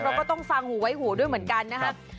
เราก็ต้องฟังหูไว้หูด้วยเหมือนกันนะครับ